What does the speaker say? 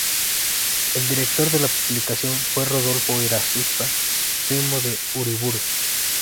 El director de la publicación fue Rodolfo Irazusta, primo de Uriburu.